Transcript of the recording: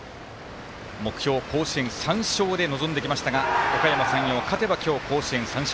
目標は甲子園３勝で臨んできましたがおかやま山陽、勝てば今日甲子園３勝。